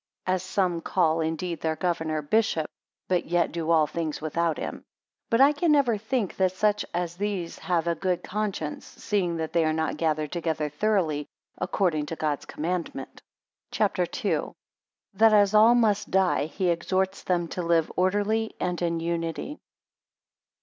10 As some call indeed their governor, bishop; but yet do all things without him. 11 But I can never think that such as these have a good conscience, seeing that they are not gathered together thoroughly according to God's commandment. CHAPTER II. 1 That as all must die, 4 he exhorts them to live orderly and in unity.